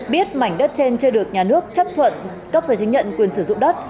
biết mảnh đất trên chưa được nhà nước chấp thuận cấp giấy chứng nhận quyền sử dụng đất